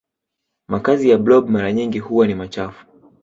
makazi ya blob mara nyingi huwa ni machafu